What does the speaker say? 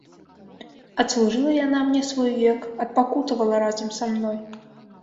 Адслужыла яна мне свой век, адпакутавала разам са мной.